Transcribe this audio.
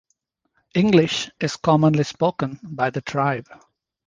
English is commonly spoken by the tribe.